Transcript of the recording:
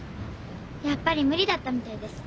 やっぱり無理だったみたいです。